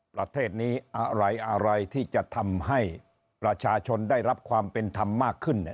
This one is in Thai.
ประเทศนี้อะไรอะไรที่จะทำให้ประชาชนได้รับความเป็นธรรมมากขึ้น